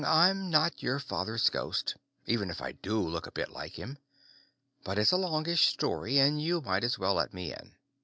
I'm not your father's ghost, even if I do look a bit like him. But it's a longish story, and you might as well let me in.